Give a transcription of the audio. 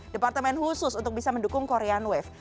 departemen khusus untuk bisa mendukung korean wave